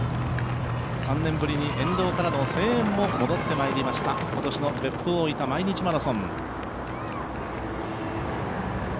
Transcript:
３年ぶりに沿道からの声援も戻ってまいりました、今年の別府大分毎日マラソン。